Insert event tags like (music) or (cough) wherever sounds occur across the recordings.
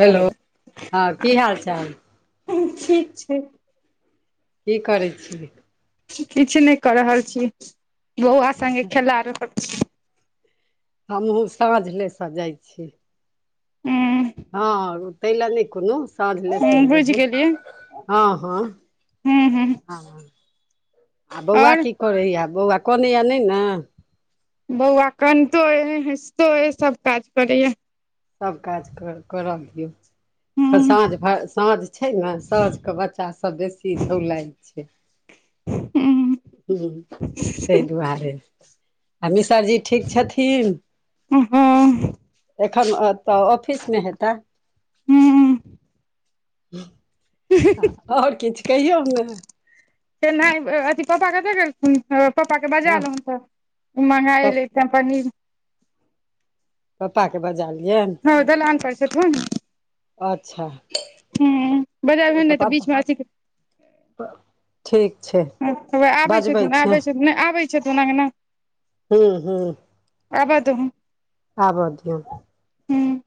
Hello हँ की हाल चाल? ठीक छै। की करै छियै? किछु नहि क रहल छी। बौआ सङ्गे खेला रहल छी हमहुँ साँझलेसँ जाइत छी। ह हँ तहि लए नहि कोनो साझलेस लेबै बुझि हम गेलियै हँ हँ ह ह हँ आ बौआ आओर की करैये बौआ कनैये नहि ने बौआ कनितो अय हैसतो अय सब काज करैये सब काज कर करऽ दियौ ह फेर साँझ ह भर साँझ छै ने साँझके बच्चा सब बेसी झोलाइ छै हँ तहि (unintelligible) दुआरे आ मिसर जी ठीक छथिन उम्महूँ एखन अतऽ ऑफिसमे हेता आओर किछु कहियौ ने तेनाहि अथी पापा कतऽ गेलखुन पप्पाके बजा हँ लहुँन तऽ मँगाए लैते पनीर पप्पाके बजा लियनि हँ ओ दलान पर छथुन अच्छा हूँ बजाबहो नहि तऽ बीच में अथी कऽ ह (inaudible) ठीक छै हैये आबै छथिन छै आबै छथिन नै आबै छथिन अंगना हूँ हूँ आबऽ दहुन आबऽ दियौ हूँ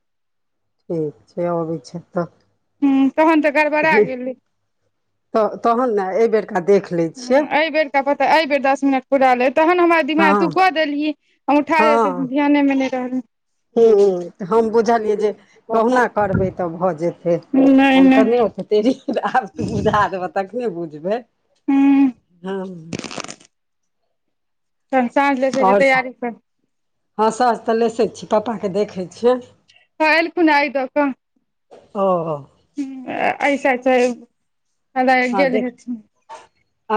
ठीक छै अबैत छैथ तऽ हूँ तहन तऽ गड़बड़ा गेलै तऽ तहन ने एहिबेरका देख लैत छियै किये पता एहि बेर दस मिनट पुराले तहन हमरा दिमाग तू हँ कऽ देलही हम उठा ले ध्याने मे नहि रहलै ह्म तऽ हम बुझलियै जे कहुना करबै तऽ भऽ जेतै हम तऽ नहि ओ ते आब तू बुझा देबह तखने बुझबै ह हँ तहन साँझ लेसै के आओर तैयारी कर हँ सांझ तऽ लेसै छी पप्पाके देखैत छियै हँ एलखुन ए अहिदऽ कऽ ओ हूम्म एहिसाइड सँ एना कऽ गेल हेथिन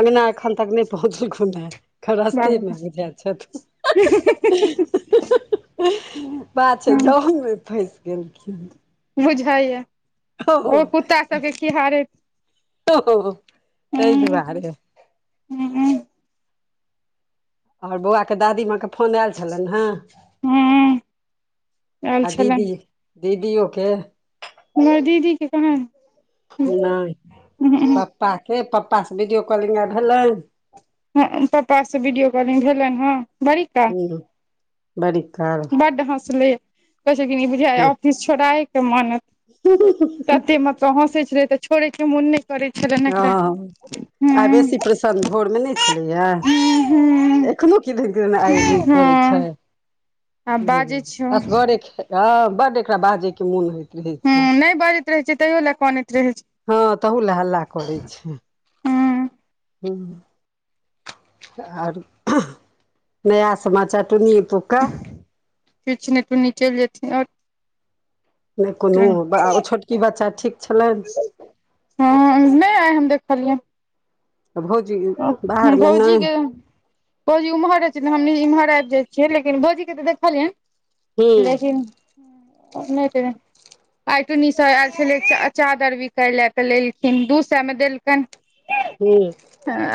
अंगना एखन तक नै पहुँचलखून हय अखन रास्ते बाबा मे बुझाय छथुन बात छै जाममे फँसि गेलखिन बुझाइए ओ हँ कुत्ता सबके खिहारैत ताहि हूँ हरी दुआरे हँ (unintelligible) आओर बौआ के दादीमाँ कत फोन आयल छलनि हें ह आयल आ दीदी छलनि दीदीयोके हमर दीदी के कहाँ नहि पप्पाके पप्पासँ वीडियो कॉलिंग आइ भेलनि हँ पप्पासँ वीडियो कॉलिंग भेलनि हँ बड़ी काल बड़ी काल बड्ड हँसलै कहै छेलखिन जे बुझाइए ऑफिस छोड़ाए कऽ मानत (inaudible) तऽ हँसै छेलै तऽ छोड़ै के मोन नहि करै छेलनि एकरा हँ तहन भोरमे नहि छै छलैयै हूं एखनो किदन किदन आइ उ करै छै हँ आ ह बाजै छौ हूं असगरे खेलब बड एकरा बाजे के मोन होय रहय छै नहि बाजैत रहै छै तैयो लए कानैत रहै छै हँ तहू लए हल्ला करै छै हूं ह आओर नया समाचार टुन्नी एतौका किछने टुन्नी चलि जेथिन आओर नहि कोनो ओ छोटकी बच्चा ठीक छलैन हँ नहि आय हम देखलियै आ भौजी बाहरमे भौजी नहि के भौजी ओम्हर छै तऽ हम एमहर आबि जाइ छियै लेकिन भौजीके तऽ देखलियनि हूँ लेकिन ओनाहिते आइ टुन्नी सए आयल छलै चादर बिकाय ले तऽ लेलखिन दू सए मे देलखनि (unintelligible) हूँ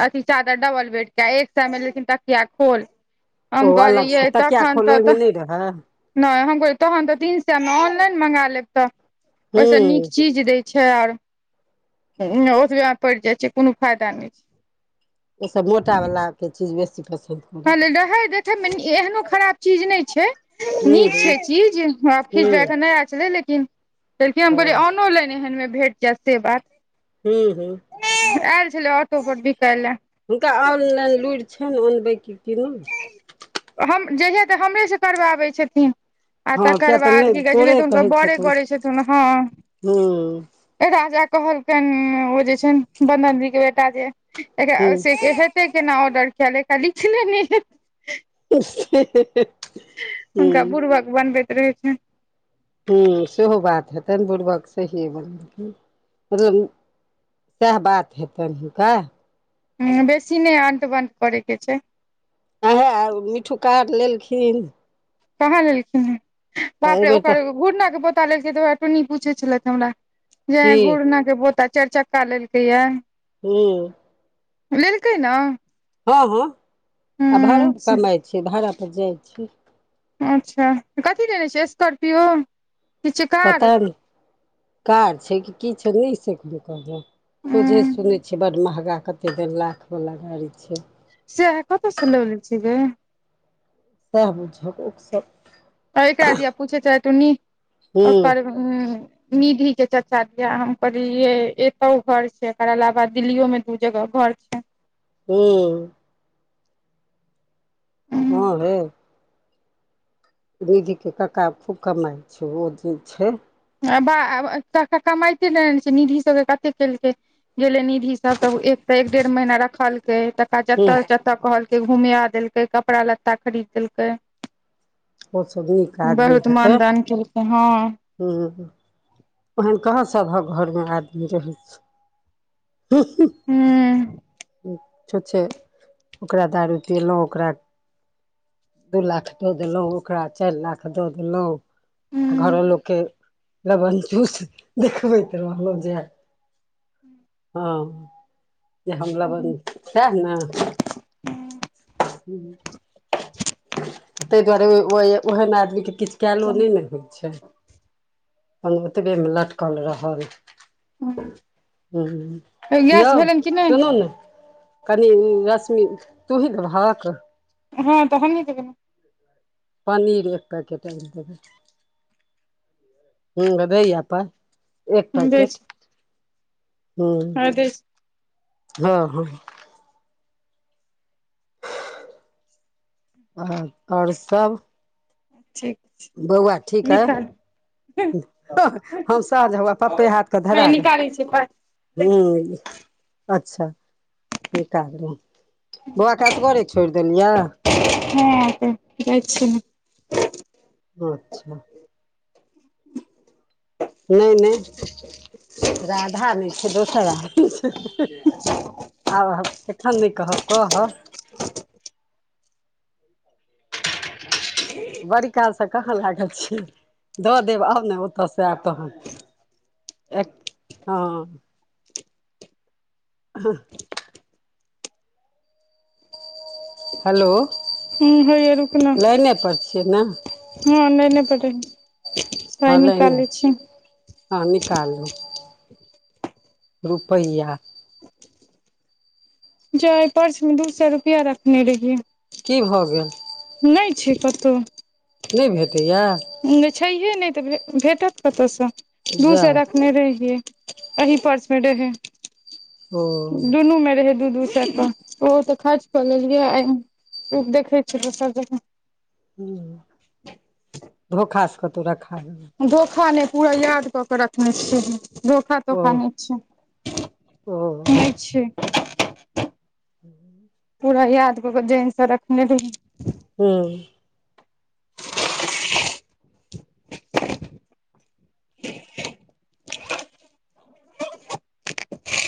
अथि चादर डबल बेड के एकटा मे लेलखिन तकिया खोल ओ हम कहलियै अलगसँ यै तकिया तखन खोल तऽ ओहिमे नहि रहै नहि हम कह तहन तऽ तीन स मे ऑनलाइन मंगा लेब तऽ ओहिस नीक हूँ चीज दै छै आर ओतबै पड़ि जाइ छै कोनो फायदा नहि छै ई सभ मोटा बलाके चीज बेसी पसन्द पड़ैत कहलियै छै रहै देखैमे एहनो खराब चीज नहि छै नीक छै चीज हूँ खीचब कऽ नहि आय छलै लेकिन कहलकिन हम हूँ कहलियै हँ ऑनोलाइन एहनमे भेट जायत से बात हू हू आयल छलै ऑटो पर बिकाय लए हुनका ऑनलाइन लुरि छनि अनबै कि नै हम जहिया तऽ हमरेसँ करबाबै छथिन आ हँ किया तकर तऽ बाद की नहि कहे छै ने तोरे तऽ हुनकर कहै बरे छथुन करै छथिन हूँ हँ राजा कहलकनि ओ जे छै वन्दन दीदी के बेटा जे हूँ एकरा से केना ऑर्डर कयले एकरा लिखले नहि हेतै (unintelligible) हुनका बुड़बक बनबैत रहै छै हूँ सेहो बात हेतन बुड़बक सहिए बन मतलब सैह बात हेतन हुनका ह बेसी नहि अंट बंट करय के छै आहें मिठ्ठू कार लेलखिन कहाँ लेलखिन तऽ बाप रे एहिबेर तऽ ओकर घूर्ना के पोता लेलखिन टुनी पूछे छलथि हमरा जे की घुड़ना के पोता चारि चक्का लेलकै या हू लेलकै न हँ हँ आ भाड़ो पर कमाइ छै भाड़ापर जाइ छै अच्छा कथि लेने छै स्कार्पियो पता ने कार छै कि की छै नहि सक कहबअ सोझे उं सुनै छियै बड महगा कते देढ़ लाख वाला गाड़ी छै सैह कतऽ से लऽ अबलै छै गे सैह बुझक ऊक सभ तऽ एकरा दिया पूछै रहैथ टुनी हूँ एकर निधि के चचा दिया हम कहै ए एतो घर छै एककर अलावा दिल्ली यो मे दू जगह घर छै हँ हँ गे निधीके कक्का खूब कमाइ छै ओ जे छै बाह कक्का कमाते नहि छै निधि सभके कते केलकै गेले निधि सब तऽ एक तऽ एक डेढ़ महीना रखलकै त हूँ जतऽ जतऽ कहलक घुमिया देलकै कपड़ा लत्ता खरीद देलकै ओसभ नीक बहुत मानदान केलकै हँ हुँ ओहन कहाँ सभक घरमे आदमी रहै छै हुँ हह हुँ छुछे ओकरा दारू पीलहुँ ओकरा दुइ लाख दऽ देलहुँ ओकरा चारि लाख दऽ देलहुँ हूं घरक लोक के लमनचूस देखबैत रहलो जे हुँ हँ जे हम लमन साह न हुँ ताहि दुआरे ओ ओहन आदमी कें किछु कयलो नहि ने होइ छै ओ ओतबे मे लटकल रहल हूं हुँ गैस ययौ भेलनि कि नहि सुनू ने कनि रश्मि तुहिं देबहक हँ त हमहि ने देबय पनीर एक पैकेट आनि देबै हुँ दैय या पाई एक ने दै पैकेट छी हूँ हँ दै छी हँ हँ आ आओर सभ ठीक छै बौआ ठीक एय निकालू ह हम साँज हुआ पप्पे हाथ क धरि एय निकालै छिय पाइ हुँ अच्छा निकालु बौआकें अससगरे छोड़ि देलियै हँ त सु ने (unintelligible) अच्छा नहि नहि राधा नहि छै दोसर आदमी छै हँ हह आब एखन नहि कहब कहब (inaudible) बड़ीकाल सँ कहाँ लागल छियै दऽ देब आउ ने ओतसँ आयब तहन एक हँ हँहह हेलो ई हहैया रुकुना लाइने पर छियै ने हँ लाईन पर रहियौ हाँ लाइन ने हँ निकालू रुपैआ जा ई पर्स मे दू सए रुपआ रखने रहियै की भऽ गेल नहि छै कतहु नहि भेटैया जे छैहे नहि तऽ भेटत कतयसँ दू जा सए रखने रहियै एही पर्स मे रहै ओ गिनेय में रहे दू दू साय कं ओ तऽ खर्च कऽ लेलियै आ देखैत छियै दोसर जगह हुँ धोखासँ कतहु रखा गेल धोखा न पूरा याद क रखने छिय हम खा तो ओ खान नहि छियै ओ नहि छियै ह (unintelligible) पूरा याद क के जेंस रखने रहहि हूँ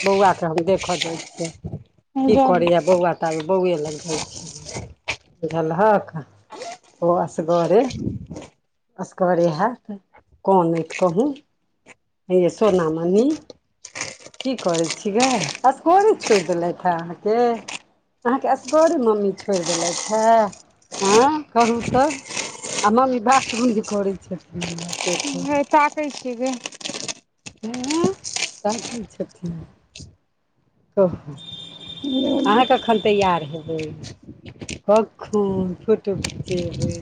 बौआ के हम देखऽ जाय छियै की करैया रहियै बौआ ताबे बौए लग जाइ छियै बुझलहक ओ अस गरे असगरे हेत कनैत कहूँ ए सोना मनी की करै छियै असगरे छोड़ि देलथि अहाँके अहाँके असकरे मम्मी छोड़ देलथि है हैय कहूँ त आ मम्मी बात रूज करै छथिन से ह ताकै छि गे ह सब की छथिन कहू अहाँ कखन तैयार हेबै कखुन फोटो खिचेबै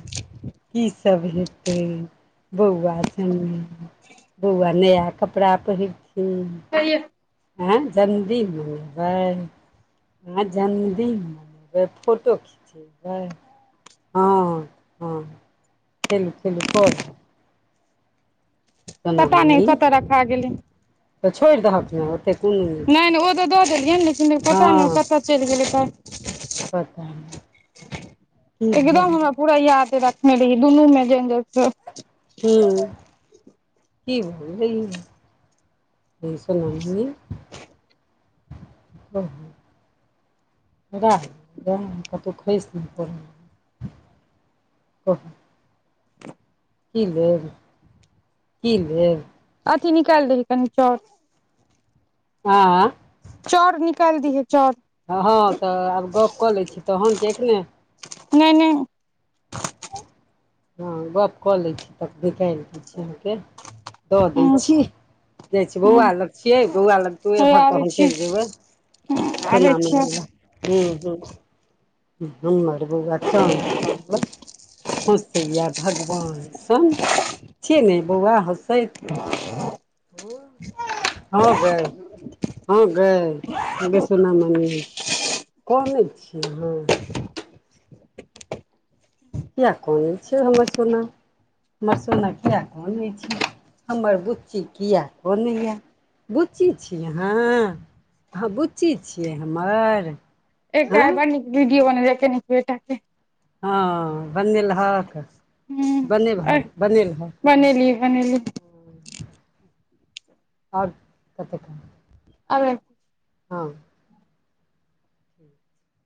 की सब हेतै बौआ सङ्गमे बौआ नया कपड़ा पहिरथिन आ आँय जन्मदिन मनेबै आंय जन्मदिन मनेबै फोटो खिचेबै हँ हँ खेलू खेलू करू सोना पता नहि मणि कत रखा गेलै तऽ छोड़ि दहक ने ओते कोनो छै नहि ओ तऽ दऽ देलियै ने लेकिन पता नहि हँ कतऽ चलि गेलै तऽ पता की एकदम भऽ हमरा पूरा याद रखने रहियै दुनू मे ज हू की बोल रह सु ह कतहु खसि नहि पड़ै ओ की लेब की भेल अथि निकालि दही कनी चाउर हँ चाउर निकालि दीहि चाउर हँ तऽ आब गप कऽ लै छी तहन कि एखने नहि नहि हँ गप कऽ लैत छी तब निकालि दै छी अहाँके दऽ दै छी नहि जाइ छियै बौआ लग छियै बौआ लग तु हय एबहक आबै त हम छियै चलि जेबै आबै छियै ह्म ह ह हमर बबुआ चान्द सनक हँसैया भगवान सन छियै ने बौआ हँसैत आ हँ ह गै ह गै सोनामनि कनई छियै अहाँ किए कनै छै हमर सोना हमर सोना किए कनै छै हमर बुच्ची किए कनै या बुच्ची छी अहाँ ह ह बुच्ची छियै हमर एकटा हँ आय बर निक वीडियो ओने र बेटा के हँ बनेलहक हूँ बनेब अइ बनेलहक बनेलियै बनेलियै आओर कतेक अल (unintelligible) हँ